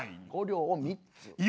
５両を３つ。